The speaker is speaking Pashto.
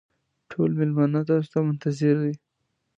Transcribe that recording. ټول مېلمانه تاسو ته منتظر دي.